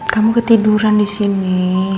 kamu ketiduran disini